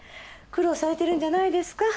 苦労されてるんじゃないですか？